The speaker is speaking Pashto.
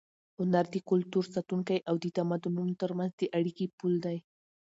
هنر د کلتور ساتونکی او د تمدنونو تر منځ د اړیکې پُل دی.